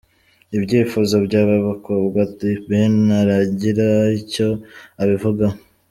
Ibyifuzo by’aba bakobwa The Ben ntaragira icyo abivugaho.